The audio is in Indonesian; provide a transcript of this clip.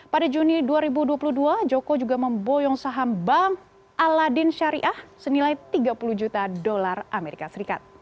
pada juni dua ribu dua puluh dua joko juga memboyong saham bank aladin syariah senilai tiga puluh juta dolar as